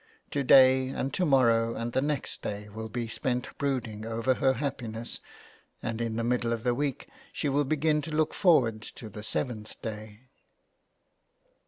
To day and to morrow and the next day will be spent brooding over her happiness, and in the middle of the week she will begin to look forward to the seventh day.